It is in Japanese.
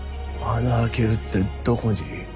穴開けるってどこに？